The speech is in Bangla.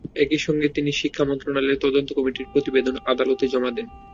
একই সঙ্গে তিনি শিক্ষা মন্ত্রণালয়ের তদন্ত কমিটির প্রতিবেদনও আদালতে জমা দেন।